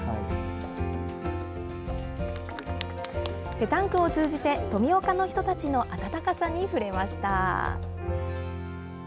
ペタンクを通じて、富岡の人たちの温かさに触れました。